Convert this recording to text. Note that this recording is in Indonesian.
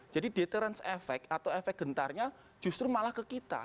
jadi deterans efek atau efek gentarnya justru malah ke kita